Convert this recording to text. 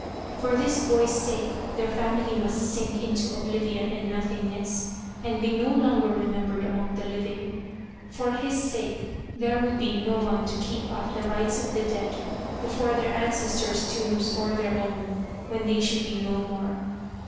For this boy's sake their family must sink into oblivion and nothingness, and be no longer remembered among the living ; for his sake there would be no one to keep up the rites of the dead before their ancestors' tombs or their own, when they should be no more.